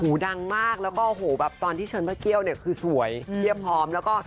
ผู้ดังมากแล้วก็โหแบบตอนที่เฉินพระเกียวนี่คือสวยเฟียบหอมแล้วก็